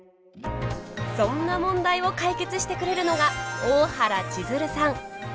そんな問題を解決してくれるのが大原千鶴さん。